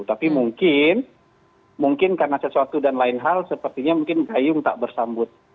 tapi mungkin mungkin karena sesuatu dan lain hal sepertinya mungkin gayung tak bersambut